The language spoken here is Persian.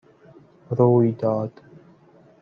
روی داد